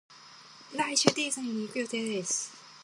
来週ディズニーに行く予定です